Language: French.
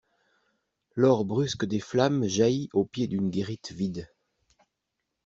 L'or brusque des flammes jaillit au pied d'une guérite vide.